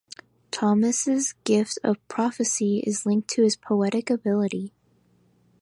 Thomas' gift of prophecy is linked to his poetic ability.